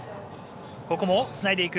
ここもつないでいく。